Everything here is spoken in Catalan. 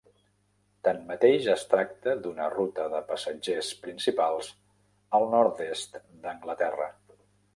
Tanmateix, es tracta d'una ruta de passatgers principal al nord-est d'Anglaterra.